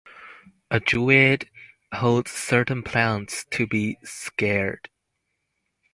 A druid holds certain plants to be sacred.